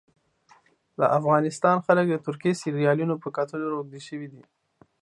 د افغانستان خلک د ترکي سیریالونو په کتلو روږدي سوي دي